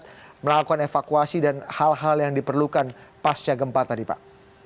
untuk melakukan evakuasi dan hal hal yang diperlukan pasca gempa tadi pak